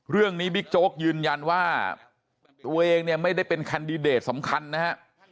บิ๊กโจ๊กยืนยันว่าตัวเองเนี่ยไม่ได้เป็นแคนดิเดตสำคัญนะฮะ